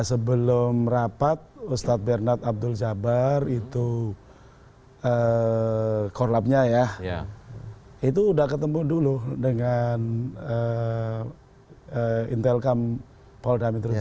sebelum rapat ustadz bernard abdul jabar itu korlapnya ya itu sudah ketemu dulu dengan intel kam polda menteri jalan